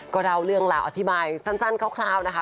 ก็เล่าเรื่องราวอธิบายสั้นคร่าวนะคะ